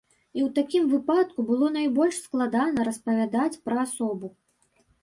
І ў такім выпадку было найбольш складана распавядаць пра асобу.